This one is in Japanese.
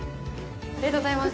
ありがとうございます。